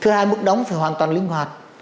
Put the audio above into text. thứ hai mức đóng phải hoàn toàn linh hoạt